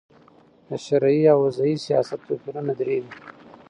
د شرعې او وضي سیاست توپیرونه درې دي.